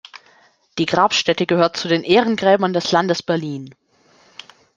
Die Grabstätte gehört zu den Ehrengräbern des Landes Berlin.